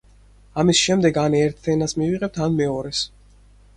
ამის შემდეგ ან ერთ ენას მივიღებთ ან მეორეს.